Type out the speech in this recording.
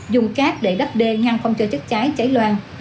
dùng cát để đắp đê ngăn không cho chất cháy cháy loang